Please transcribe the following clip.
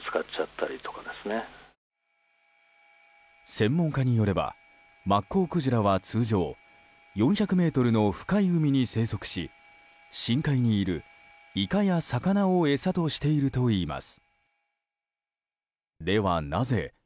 専門家によればマッコウクジラは通常、４００ｍの深い海に生息し深海にいるイカや魚を餌としているといいます。